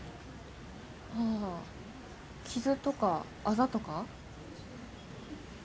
ああ傷とかアザとか？